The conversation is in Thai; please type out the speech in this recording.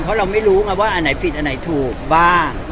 เพราะเราไม่รู้ไงว่าอันไหนผิดอันไหนถูกบ้าง